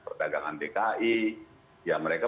perdagangan bki ya mereka